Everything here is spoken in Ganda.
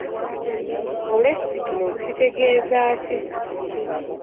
Kolesitulo kitegeeza ki?